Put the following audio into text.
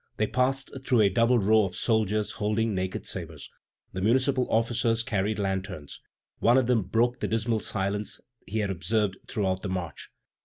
They passed through a double row of soldiers holding naked sabres. The municipal officers carried lanterns. One of them broke the dismal silence he had observed throughout the march.